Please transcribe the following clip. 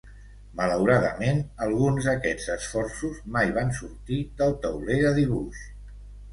Malauradament, alguns d'aquests esforços mai van sortir del tauler de dibuix.